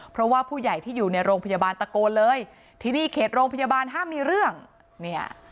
เพราะว่าผู้ใหญ่ที่อยู่ในโรงพยาบาลตะโกนเลยที่นี่เขตโรงพยาบาลห้ามมีเรื่องเนี่ย